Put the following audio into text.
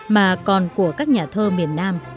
mà còn của các nhà thơ miền nam